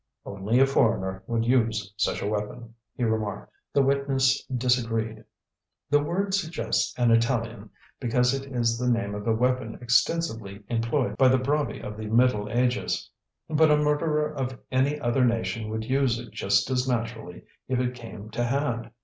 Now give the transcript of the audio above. "Only a foreigner would use such a weapon," he remarked. The witness disagreed. "The word suggests an Italian, because it is the name of a weapon extensively employed by the bravi of the Middle Ages. But a murderer of any other nation would use it just as naturally, if it came to hand.